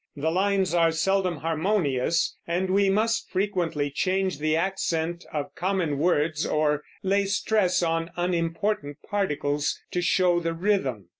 The lines are seldom harmonious, and we must frequently change the accent of common words, or lay stress on unimportant particles, to show the rhythm.